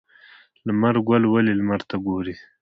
لمر ګل ولې لمر ته ګوري؟